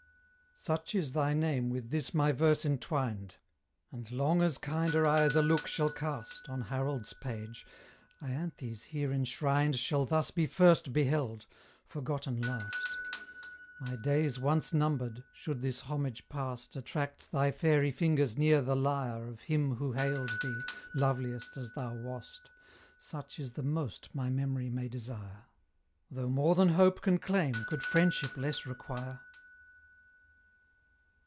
Such is thy name with this my verse entwined; And long as kinder eyes a look shall cast On Harold's page, Ianthe's here enshrined Shall thus be first beheld, forgotten last: My days once numbered, should this homage past Attract thy fairy fingers near the lyre Of him who hailed thee, loveliest as thou wast, Such is the most my memory may desire; Though more than Hope can claim, could Friendship less require?